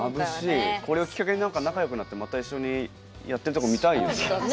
これをきっかけに仲よくなってまた一緒にやってるとこ見たいよね。